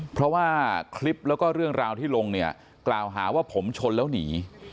เพราะว่าคลิปแล้วก็เรื่องราวที่ลงเนี่ยกล่าวหาว่าผมชนแล้วหนี